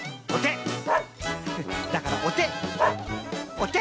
お手！